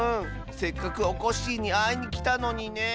せっかくおこっしぃにあいにきたのにね。